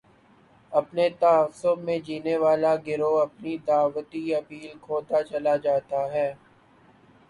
اپنے تعصب میں جینے والا گروہ اپنی دعوتی اپیل کھوتا چلا جاتا ہے۔